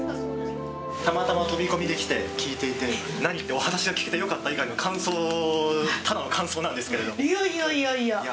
たまたま飛び込みで来て聞いていて、なにって、お話を聞けてよかったという、ただの感想なんいやいやいや。